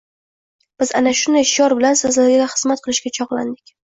Biz ana shunday shior bilan sizlarga xizmat qilishga chog‘landik.